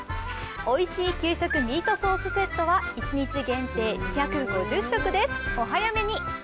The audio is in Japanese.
おいしい給食ミートソースセットは一日限定２５０食、お早めに。